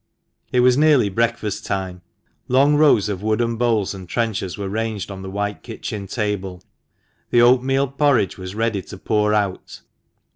It was nearly breakfast time. Long rows of wooden bowls and trenchers were ranged on the white kitchen table. The oatmeal porridge was ready to pour out.